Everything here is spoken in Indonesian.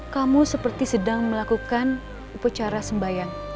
kamu seperti sedang melakukan upacara sembayang